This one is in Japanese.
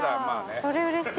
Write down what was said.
それ、うれしい。